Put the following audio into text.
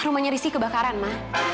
rumahnya rizky kebakaran ma